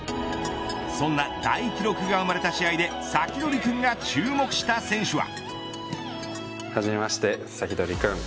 そんな大記録が生まれた試合でサキドリくんが注目した選手は。